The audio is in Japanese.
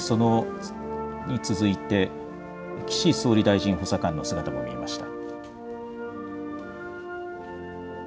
そして続いて岸総理大臣補佐官の姿も見えました。